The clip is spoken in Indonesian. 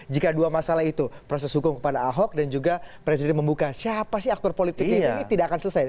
jika dua masalah itu proses hukum kepada ahok dan juga presiden membuka siapa sih aktor politiknya ini tidak akan selesai